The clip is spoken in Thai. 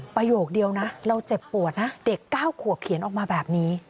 ประโยคเดียวนะเราเจ็บปวดนะเด็ก๙ขวบเขียนออกมาแบบนี้